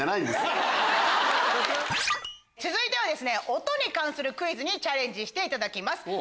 続いては音に関するクイズにチャレンジしていただきます。